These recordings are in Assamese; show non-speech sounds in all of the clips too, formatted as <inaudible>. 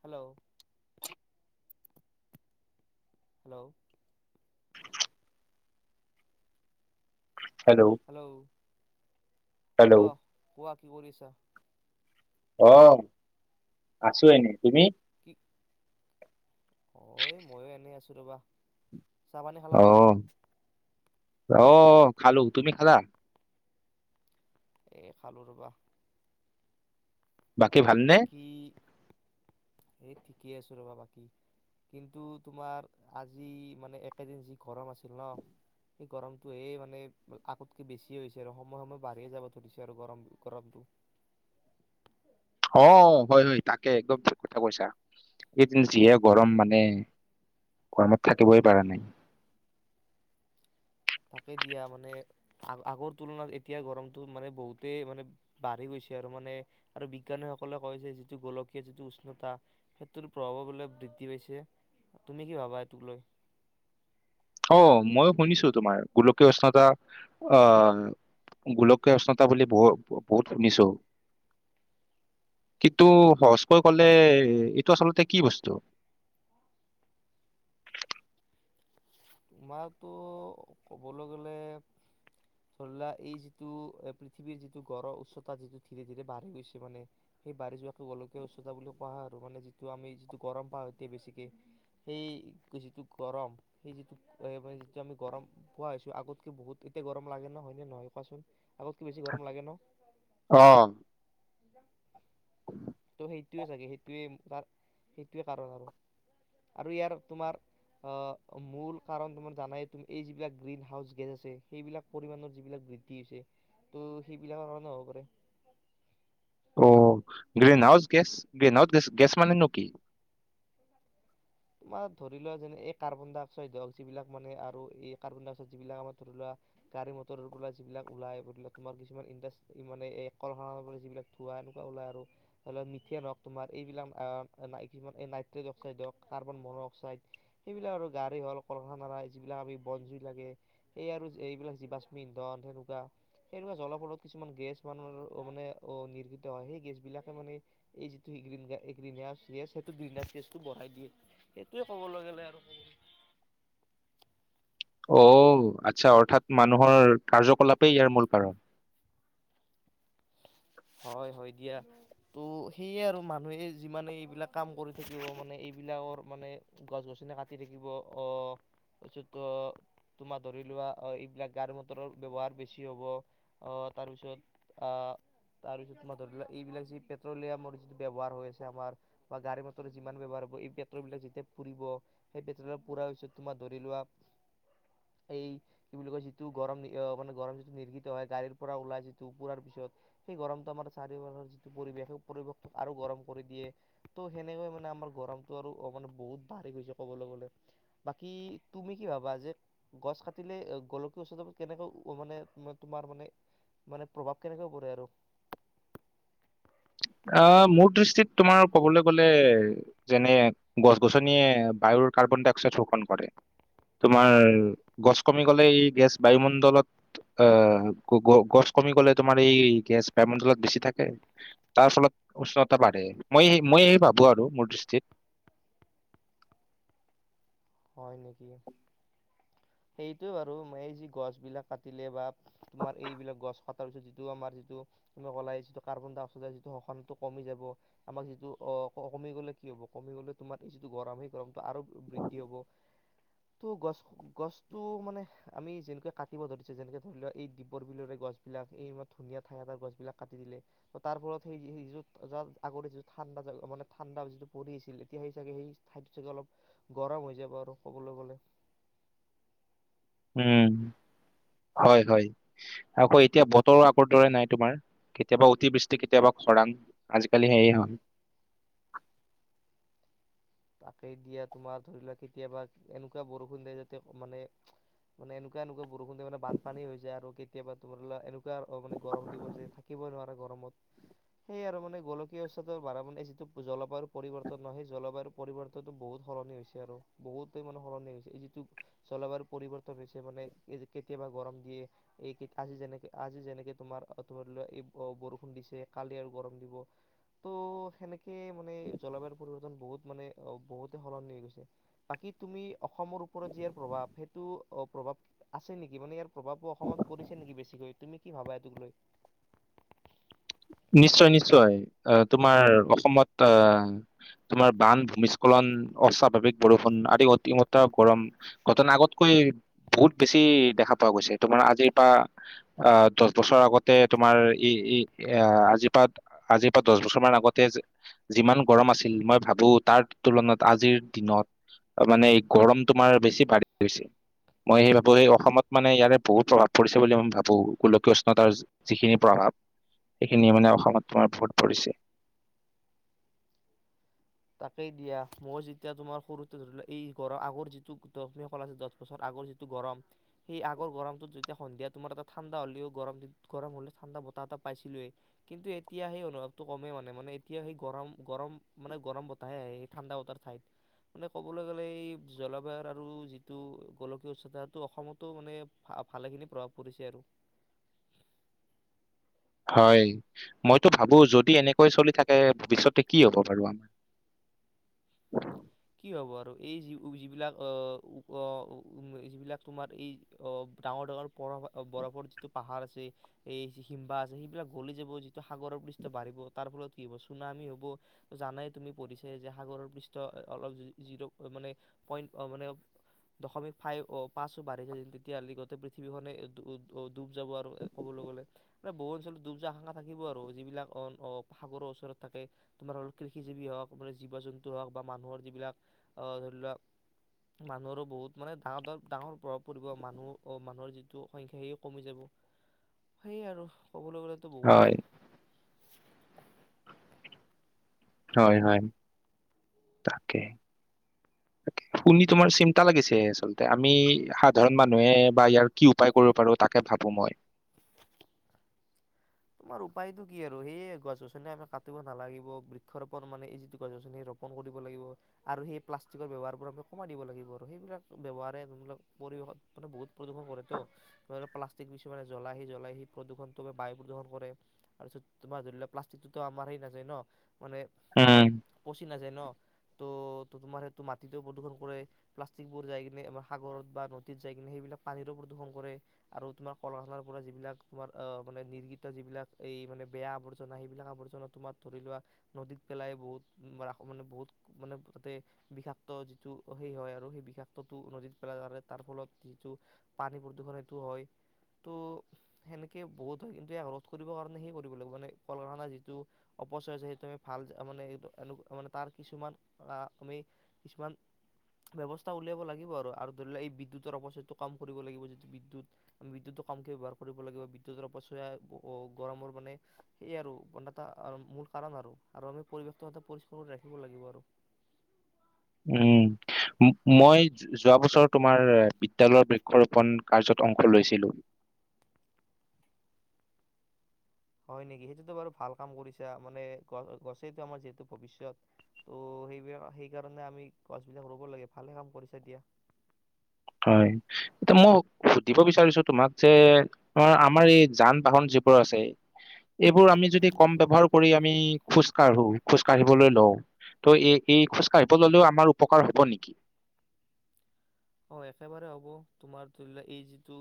হেল্ল' হেল্ল' হেল্ল' হেল্ল' অহ', কোৱা কি কৰিছা? অ', আছো এনেই তুমি? <unintelligible> অ', এ', ময়ো এনেই আছো ৰবা, চাহ -পানী খালা? অহ', খালো তুমি খালা? এ', খালো ৰবা <inaudible> বাকী ভালনে? বাকী এই ঠিকেই আছো ৰবা বাকী কিন্তু তোমাৰ আজি মানে একেদিন যি গৰম আছিল ন', সেই গৰমটোহে মানে আগতকে বেছিয়ে হৈছে আৰু সময়ে -সময়ে বাঢ়িয়ে যাব ধৰিছে আৰু গৰম-গৰমটো <unintelligible> অ-হয়-হয় তাকে একদম ঠিক কথা কৈছা, এইকেইদিন যিয়ে গৰম মানে গৰমত থাকিবই পাৰা নাই। তাকে দিয়া মানে আ-আগৰ তুলনাত এতিয়া গৰমটো মানে বহুতেই মানে বাঢ়ি গৈছে আৰু মানে আৰু বিজ্ঞানীসকলে কয় যে', যিটো গোলকীয় যিটো উষ্ণতা সেইটোত প্ৰভাৱৰ বলে বৃদ্ধি পাইছে, তুমি কি ভাবা এইটোক লৈ? অ', মই শুনিছো তোমাৰ গোলকীয় উষ্ণতা অহ', গোলকীয় উষ্ণতা বুলি বহ-বহুত শুনিছো কিন্তু সহজকৈ ক'লে এইটো আচলতে কি বস্তু? তোমাৰটো ক'বলৈ গ'লে ধৰিলোৱা এই যিটো পৃথিৱীৰ যিটো গঢ়-উচ্চতা যিটো ধীৰে- ধীৰে বাঢ়ি গৈছে মানে সেই বাঢ়ি যোৱাকৈ গোলকীয়া উচ্চতা বুলি কোৱা হয়। আৰু মানে যিটো আমি যিটো গৰম পাওঁ এতিয়া বেছিকে সেই যিটো গৰম সেই যিটো পুৱাই -পুৱাই যিটো আমি গৰম পোৱা হৈছো আগতকে বহুত এতিয়া গৰম লাগে ন', হয়নে- -নহয় কোৱাচোন আগতকে বেছি গৰম লাগে ন', অহ', <unintelligible> ত' সেইটোৱে চাগে সেইটোৱে তাৰ সেইটোৱে কাৰণ আৰু আৰু ইয়াৰ তোমাৰ আহ', মূল কাৰণ তোমাৰ জানাই এই যিবিলাক গ্ৰীণ হাউচ গেছ আছে, সেইবিলাক পৰিমমানৰ যিবিলাক বৃদ্ধি হৈছে ত', সেইবিলাকৰ কাৰণে হ'ব পাৰে। অ', green- house- gas, green gas মানে নু কি? তোমাৰ ধৰি লোৱা যেনে-এই কাৰ্বন- ডাই- -অক্সাইড হওক যিবিলাক মানে আৰু এই কাৰ্বন- ডাই- অক্সাইড যিবিলাক আমাৰ ধৰি লোৱা গাড়ী মটৰৰ পৰা যিবিলাক ওলাই, ধৰি লোৱা কিছুমান ইণ্ডাছট্ৰী মানে এই কল - কাৰখানাৰ পৰা যিবিলাক ধোৱা এনেকুৱা ওলায় আৰু ধৰি লোৱা মিথেইন হওক তোমাৰ এইবিলাক কিছুমান এই নাইট্ৰেজ -অক্সাইড হওক কাৰ্বন -মন-অক্সাইড সেইবিলাক আৰু গাড়ী হল কল- কাৰখানা, যিবিলাক আমি বন- জুই লাগে সেই আৰু এইবিলাক যি বাস্পি- ইন্ধন সেনেকুৱা-সেনেকুৱা জলপদত কিছুমান গেছ মানুহৰ মানে অ', নিৰ্গিত হয় সেই গেছবিলাকে মানে এই যিটো গ্ৰীণ -গ্ৰীণছ গেছ সেইটো গ্ৰীণছ গেছটো বঢ়াই দিয়ে। সেইটোৱে কবলৈ গ'লে আৰু, অ', আচ্ছা অৰ্থাৎ মানুহৰ কাৰ্যকলাপেই ইয়াৰ মূল কাৰণ। হয় -হয় দিয়া ত', সেয়ে আৰু মানুহে যিমানে এইবিলাক কাম কৰি থাকিব মানে এইবিলাকৰ মানে গছ -গছনি কাটি থাকিব আহ তাৰপিছত তোমাৰ ধৰি লোৱা এইবিলাক গাড়ী- মটৰৰ ব্যৱহাৰ বেছি হ'ব অহ, তাৰপিছত আহ', তাৰ পিছত তোমাৰ ধৰি লোৱা, এইবিলাক যি পেট্ৰলিয়ামৰ ব্যৱহাৰ হৈ আছে আমাৰ বা গাড়ী- মটৰৰ যিমান ব্যৱহাৰ হব এই পেট্ৰল বিলাক যেতিয়া পুৰিব সেই পেট্ৰল পুৰাৰ পিছত তোমাৰ ধৰি লোৱা এই কি বুলি কয় যিটো গৰম মানে গৰম যিটো নিৰ্গিত হয় গাড়ীৰ পৰা ওলাই যিটো পুৰাৰ পিছত সেই গৰমটো আমাৰ চাৰিওালৰ যিটো পৰিৱেশ সেই পৰিৱেশ আৰু গৰম কৰি দিয়ে ত', সেনেকৈ মানে আমাৰ গৰমটো আৰু মানে বহুত বাঢ়ি গৈছে কবলৈ গলে। বাকী তুমি কি ভাবা যে গছ কাটিলে গোলকীয়া উষনতা কেনেকৈ মানে তোমাৰ মানে -মানে প্ৰভাৱ কেনেকৈ পৰে আৰু? আহ', মোৰ দৃষ্টিত তোমাৰ ক'বলৈ গলে, যেনে গছ -গছনিয়ে বায়ুৰ কাৰ্বন -ডাই -অক্সাইড শোষন কৰে, তোমাৰ গছ কমি গলে এই গেছ বায়ুমণ্ডলত আহ ', গছ কমি গলে তোমাৰ এই গেছ বায়ুমণ্ডলত বেছি থাকে। তাৰ ফলত উষ্ণতা বাঢ়ে মই ', -মই, ভাবো আৰু মোৰ দৃষ্টিত। হয় ', নেকি সেইটো বাৰু এই যি গছ বিলাক কাটিলে বা, তোমাৰ এইবিলাক গছ- পা, তাৰপিছত যিটো আমাৰ যিটো তুমি কলাই যিটো কাৰ্বন-ডাই -অক্সাইড যিটো শকানটো কমি যাব আমাক যিটো অ', কমি গ'লে কি হব কমি গ'লে, তোমাৰ এই যিটো গৰম সেই গৰম আৰু বৃদ্ধি হ'ব, ত', গছ- গছটো মানে আমি যেনেকে কাটিব ধৰিছে যেনেকে ধৰি লোৱা এই দীপৰ বিলৰে গছ বিলাক এই ধুনীয়া ঠাই এটাৰ গছ বিলাক কাটি দিলে ত', তাৰ ফলত সেইটো য' ত আগতে যিটো ঠাণ্ডা মানে ঠাণ্ডা যিটো পৰি আহিছিল এতিয়া সেই চাগে সেই ঠাইতো চাগে অলপ গৰম হৈ যাব। ক'বলৈ গ'লে, উম', -হয় -হয় আকৌ এতিয়া বতৰো আগৰ দৰে নাই, তোমাৰ কেতিয়াবা অতিবৃষ্টি কেতিয়াবা খৰাং আজিকালি সেয়ে হল তাকেই দিয়া তোমাৰ ধৰি লোৱা কেতিয়াবা এনেকুৱা বৰষুণ দিয়ে যাতে মানে- মানে এনেকুৱা- এনেকুৱা বৰষুণ দিয় মানে বানপানী হৈ যায়, আৰু কেতিয়াবা তোমাৰ এনেকুৱা মানে গৰম দিব যে, থাকিবই নোৱাৰে গৰমত সেই আৰু মানে গোলকীয় উষ্ণতা বাঢ়া মানে যিটো জলবায়ুৰ পৰিৱৰ্তন ন', সেই জলবায়ুৰ পৰিৱৰ্তনটো বহুত সলনি হৈছে, আৰু বহুতেই মানে সলনি হৈছে এই যিটো জলবায়ুৰ পৰিৱৰ্তন হৈছে মানে কেতিয়াবা গৰম দিয়ে, এই আজি যেনেকে, আজি যেনেকে তোমাৰ ধৰিলোৱা এই বৰষুণ দিছে কালি আৰু গৰম দিব ত', সেনেকে সেইটোৱে মানে জলবায়ুৰ প, একদম বহুত, মানে বহুতে সলনি হৈ গৈছে, বাকী তুমি অসমৰ ওপৰত যি ইয়াৰ প্ৰভাৱ সেইটো অ', প্ৰভাৱ আছে নেকি মানে ইয়াৰ প্ৰভাৱো অসমত পৰিছে নেকি বেছিকৈ তুমি, কি ভাবা এতোক লৈ? নিশ্চয়- নিশ্চয় আহ', তোমাৰ অসমত আহ', তোমাৰ বান- ভূমিস্খলন, অস্বাভাৱিক- বৰষুণ, আদি অতিমাত্ৰা গৰম ঘটনা আগতকৈ বহুত বেছি দেখা পোৱা গৈছে, তোমাৰ আজিৰ পৰা আহ দচ -বছৰ আগতে তোমাৰ ই', এয়া, আজিৰ পৰা, আজিৰ পৰা, দচ বছৰমান আগতে যিমান গৰম আছিল মই ভাবো তাৰ তুলনাত আজিৰ দিনত মানে গৰম তোমাৰ বেছি বাঢ়ি গৈছে। মই সেই ভাবো এই অসমত মানে ইয়াৰে বহুত প্ৰভাৱ পৰিছে বুলি মই ভাবো, গোলকীয় উষ্ণতাৰ যিখিনি প্ৰভাৱ সেইখিনিয়ে মানে অসমত তোমাৰ গৰম পৰিছে? তাকেই দিয়া মই যেতিয়া তোমাৰ সৰুতে ধৰা এই গৰম আগৰ যিটো গৰম পেলাইছে দহ বছৰ আগৰ যিটো গৰম সেই আগৰ গৰমটোত যেতিয়া সন্ধিয়া তোমাৰ এটা ঠাণ্ডা হ'লেও গৰম গৰম হলে ঠাণ্ডা বতাহ এটা পাইছিলোই কিন্তু এতিয়া সেই অনুভৱটো কমেই মানে মানে এতিয়া সেই গৰম গৰম মানে। গৰম বতাহে আহে হে ঠাণ্ডা বতাহ নাহে মানে ক'বলৈ গ'লে এই জলবায়ুৰ আৰু যিটো গোলকীয় উচ্চতাটো অসমতো মানে ভালেখিনি প্ৰভাৱ পৰিছে আৰু। হয় মইতো ভাবো যদি এনেকৈ চলি থাকে ভৱিষ্যতে কি হব বাৰু আমাৰ। কি হব আৰু এই যি যিবিলাক আহ উ যিবিলাক তোমাৰ এই ডাঙৰ ডাঙৰ বৰফ বৰফৰ যিটো পাহাৰ আছে এই হিমবাহ আছে সেইবিলাক গলি যাব যিটো সাগৰৰ পৃষ্ঠ বাঢ়িব তাৰ ফলত কি হব চুনামি হব জানাই তুমি পঢ়িছে যে সাগৰৰ পৃষ্ঠ। অলপ জিৰ' মানে পইণ্ট মানে দশমিক ফাইভ অ পাঁচ বাঢ়ি যায় যেন তেতিয়াহ'লে গোটেই পৃথিৱীখনে ডুব যাব আৰু ক'বলৈ গ'লে মানে বহু অঞ্চলত ডুব যোৱাৰ আকাংক্ষা থাকিব আৰু যিবিলাক সাগৰৰ ওচৰত থাকে তোমাৰ হ' কৃষিজীৱী হওক মানে জীৱ জন্তু হওক বা মানুহৰ। যিবিলাক আহ ধৰি লোৱা মানুহৰো বহুত মানে ডাঙৰ ডৰ ডাঙৰ প্ৰভাৱ পৰিব মানুহ মানুহৰ যিটো সংখ্যাৰো কমি যাব সেয় আৰু। ক'বলৈ গ'লেতো বহুত হয়, আছে। হয় হয় তাকে শুনি তোমাৰ চিন্তা লাগিছে আচলতে আমি সাধাৰণ মানুহে বা ইয়াৰ কি উপায় কৰিব পাৰো তাকে ভাবো মই। তোমাৰ উপায়টো কি আৰু সেইয়ে গছ গছনি আমি কাটিব নালাগিব বৃক্ষৰোপন মানে এই যিটো গছ গছনি ৰোপন কৰিব লাগিব আৰু সেই প্লাষ্টিকৰ ব্যৱহাৰবোৰ আমি কমাই দিব লাগিব আৰু সেইবিলাক ব্যৱহাৰবিলাক পৰিৱেশ মানে বহুত প্ৰদূষণ কৰে তো প্লাষ্টিক কিছুমানে জ্বলাই সি জ্বলাই সি প্ৰদূষণতো বায়ু প্ৰদূষণ। কৰে তাৰপিছত তোমাৰ ধৰি লোৱা প্লাষ্টিকটো আমাৰ হে নাচায় ন। মানে উম, পচি নাযায় ন। ত' ত তোমাৰ সেইটো মাটিতো প্ৰদূষণ কৰে প্লাষ্টিক বোৰ যাই কিনে আমাৰ সাগৰত বা নদীত যাই কিনে সেইবিলাক পানীৰো প্ৰদূষণ কৰে আৰু তোমাৰ কলকাৰখানাৰ পৰা যিবিলাক তোমাৰ আহে মানে নিৰ্গত। যিবিলাক এই মানে বেয়া আৱৰ্জনা সেইবিলাক আৱৰ্জনা তোমাক ধৰি লোৱা নদীত পেলাই বহুত মানে বহুত মানে তাতে বিষাক্ত যিটো সেই হয় আৰু সেই বিষাক্তটো নদীত পেলাইৰে তাৰ ফলত যিটো পানী প্ৰদূষণ সেইটো হয় ত' সেনেকে বহুত হয়। ৰোধ কৰিব কাৰণে সে কৰিব লাগিব মানে কল কাৰখানা যিটো অপচয় আছে সেইটো আমি ভাল মানে এনেকে মানে তাৰ কিছুমান আমি কিছুমান ব্যৱস্থা উলিয়াব লাগিব আৰু আৰু ধৰি লোৱা এই বিদ্যুতৰ অপচয়তটো কম কৰিব লাগিব যিটো বিদ্যুতৰ আমি বিদ্যুতটো কমকে ব্যৱহাৰ কৰিব লাগিব বিদ্যুতৰ অপচয়। গৰমৰ মানে এয়ে আৰু মানে এটা মূল কাৰণ আৰু আৰু আমি পৰিৱেশটো সদায় পৰিষ্কাৰ কৰি ৰাখিব লাগিব আৰু। উম মই যোৱা বছৰ তোমাৰ বিদ্যালয়ৰ বৃক্ষ ৰোপন কাৰ্যত অংশ লৈছিলো। হয় নেকি সেইটোতো বাৰু ভাল কাম কৰিছা মানে গছেই আমাৰ যিহেতু ভৱিষ্যত তো সেইবাক সেইকাৰণে আমি গছ বিলাক ৰুব লাগে ভালে কাম কৰিছা দিয়া। হয় এ মই সুধিব বিচাৰিছো তোমাক যে অ আমাৰ এই যান বাহন যিবোৰ আছে এইবোৰ আমি যদি কম ব্যৱহাৰ কৰি আমি খোজ কাঢ়ো খোজ কাঢ়িবলৈ লওঁ ত' এই এই খোজ কাঢ়িব ললেও আমাৰ উপকাৰ হ'ব নেকি। অ একেবাৰে হ'ব তোমাৰ ধৰি লোৱা এই যিটো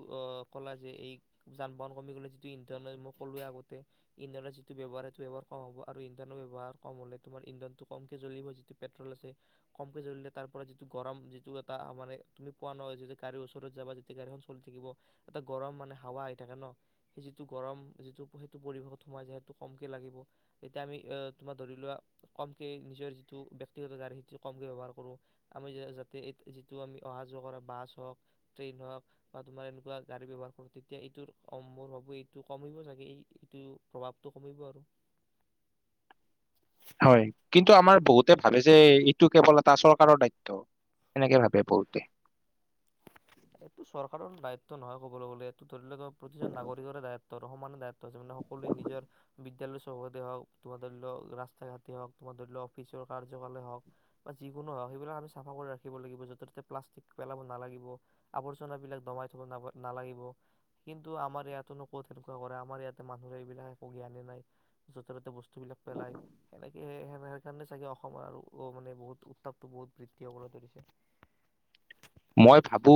ক'লা যে এই যান বাহন কমি গ'লে যিটো ইন্ধনৰ মই কলোৱেই আগতে ইন্ধনৰ যিটো ব্যৱহাৰ সেইটোৰ কম হ'ব আৰু ইন্ধনৰ ব্যৱহাৰ কম হলে তোমাৰ ইন্ধনটো কমকে জ্বলিব যিটো পেট্ৰল আছে কমকে জ্বলিলে তাৰ পৰা যিটো গৰম যিটো এটা মানে। তুমি পোৱা নহ যতিদি গাড়ীৰ ওচৰত যাবা যেতিয়া গাড়ীখন চলি থাকিব এটা গৰম মানে হাৱা আহি থাকে ন সেই যিটো গৰম যিটো সেইটো পৰিৱেশত সোমাই যায় সেইটো কমকৈ লাগিব তেতিয়া আমি তোমাৰ ধৰি লোৱা কমকে নিজৰ যিটো ব্যক্তিগত গাড়ী সেইটো কমকৈ ব্যৱহাৰ কৰোঁ আমি যাতে এই যিটো আমি। অহা যোৱা কৰা বাছ হওঁক ট্ৰেইন হওক বা তোমাৰ এনেকুৱা গাড়ী ব্যৱহাৰ কৰো তেতিয়া এইটো মোৰ ভাবো এইটো কমিব চাগে এইটো প্ৰভাৱটো কমিব আৰু। হয় কিন্তু আমাৰ বহুতে ভাবে যে এইটো কেৱল এটা চৰকাৰৰ দায়িত্ব সেনেকে ভাবে বহুতে। এইটো চৰকাৰৰ দায়িত্ব নহয় কবলৈ গলে এইটো ধৰি লক প্ৰতিজন নাগৰিকৰে দায়িত্ব সমানে দাযিত্ব মানে সকলোৱে নিজৰ বিদ্যালয় চৌহকতে হওক তোমাৰ ধৰি লওক ৰাস্তা ঘাটেই হওক তোমাৰ ধৰি লওক অফিচৰ কাৰ্যকয়ে হওক বা যিকোনো হওক সেইবিলাক আমি চাফা কৰি ৰাখিব লাগিব যতে ততে প্লাষ্টিক পেলাব নালাগিব। আৱৰ্জনা বিলাক দমাই থব না নালাগিব কিন্তু আমাৰ ইয়াতোনো ক'ত তেনেকুৱা কৰে আমাৰ ইয়াতে মানুহে এইবিলাক একো জ্ঞানে নাই য'তে ত'তে বস্তু। বস্তু বিলাক পেলাই সেনেকে সে। সেই কাৰণে চাগে অসমৰ আৰু অ মানে বহুত উত্তাপটো বহুত বৃদ্ধি হ'বলৈ ধৰিছে। মই ভাবো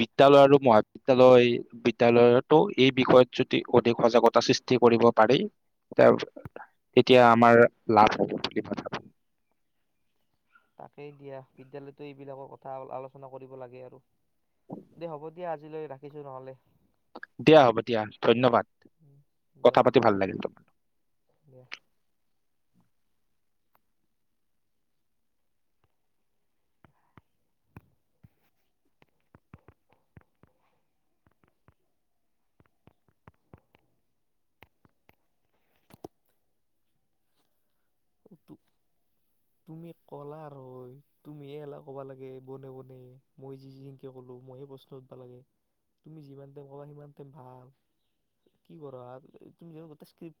বিদ্যালয় আৰু মহাবিদ্যালয়, বিদ্যালয়তো এই বিষয়ত যদি অধিক সজাগতা সৃষ্টি কৰিব পাৰি, এতিয়া আমাৰ লাভ হব বুলি ভাবো। তাকেই দিয়া বিদ্যালয়তো এইবিলাকৰ কথা আলোচনা কৰিব লাগে আৰু দে হ'ব দিয়া, আজি আজিলৈ ৰাখিছো নহ'লে দিয়া হ'ব দিয়া, ধন্যবাদ। কথা দিয়া পাতি ভাল লাগিল তোমাৰ। দিয়া তুমি কলাৰ হয়, তুমিয়ে লা কবা লাগে মনে-মনে মই যি যেনেকে কলো মইয়ে প্ৰশ্ন উঠবা লাগে, তুমি যিমান টাইম কবা সিমান টাইম ভাল, কি কৰা তুমি